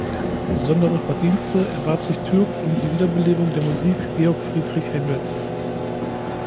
Besondere Verdienste erwarb sich Türk um die Wiederbelebung der Musik Georg Friedrich Händels.